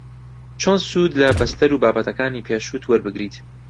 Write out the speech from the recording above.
چۆن سوود لە بەستەر و بابەتەکانی پێشووت وەربگریت